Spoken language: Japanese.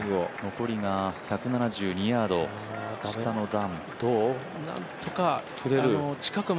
残りが１７２ヤード、下の段。